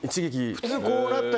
普通こうなったり。